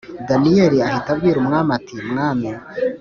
Daniyeli ahita abwira umwami ati mwami